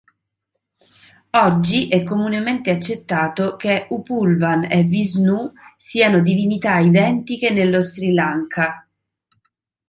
Oggi è comunemente accettato che Upulvan e Vishnu siano divinità identiche nello Sri Lanka.